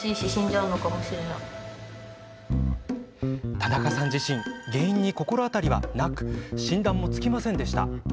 たなかさん自身原因に心当たりはなく診断もつきませんでした。